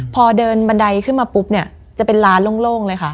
พอเดินบันไดขึ้นมาปุ๊บเนี่ยจะเป็นร้านโล่งเลยค่ะ